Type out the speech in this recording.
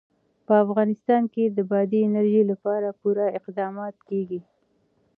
په افغانستان کې د بادي انرژي لپاره پوره اقدامات کېږي.